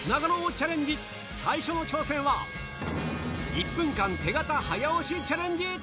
１分間手形早押しチャレンジ。